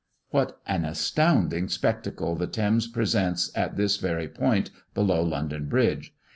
What an astounding spectacle the Thames presents at this very point below London Bridge!